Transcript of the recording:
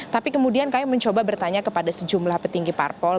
tapi kemudian kami mencoba bertanya kepada sejumlah petinggi parpol